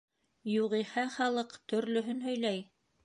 - Юғиһә, халыҡ төрлөһөн һөйләй.